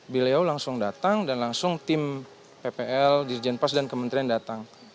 beliau langsung datang dan langsung tim ppl dirjen pas dan kementerian datang